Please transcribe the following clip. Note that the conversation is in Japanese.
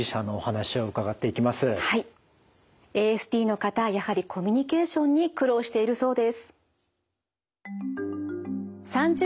ＡＳＤの方やはりコミュニケーションに苦労しているそうです。